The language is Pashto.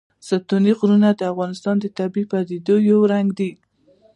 ستوني غرونه د افغانستان د طبیعي پدیدو یو رنګ دی.